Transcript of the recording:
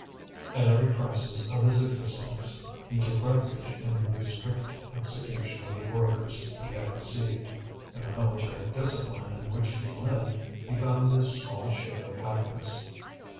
At every crisis of his existence, he took refuge in the strict execution of the orders he had received; in the military discipline in which he lived he found his small share of happiness.